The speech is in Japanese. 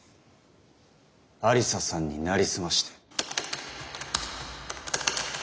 愛理沙さんに成り済まして。